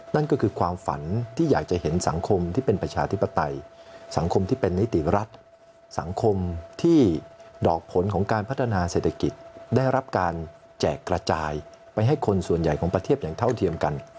นั่นก็คือความฝันที่อยากจะเห็นสังคมที่เป็นประชาธิปไตยสังคมที่เป็นนิติรัฐสังคมที่ดอกผลของการพัฒนาเศรษฐกิจได้รับการแจกกระจายไปให้คนส่วนใหญ่ของประเทศอย่างเท่าเทียมกัน